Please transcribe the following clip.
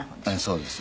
そうです。